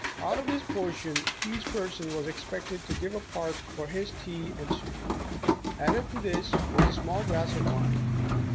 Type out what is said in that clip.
Out of this portion each person was expected to give a part for his tea and soup. Added to this was a small glass of wine.